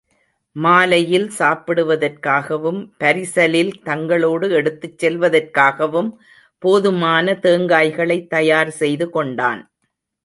மாலையில் சாப்பிடுவதற்காகவும், பரிசலில் தங்களோடு எடுத்துச் செல்வதற்காகவும் போதுமான தேங்காய்களைத் தயார் செய்து கொண்டான்.